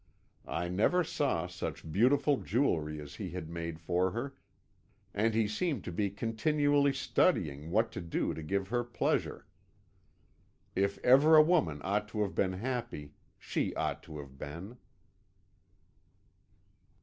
I never saw such beautiful jewelry as he had made for her, and he seemed to be continually studying what to do to give her pleasure. If ever a woman ought to have been happy, she ought to have been."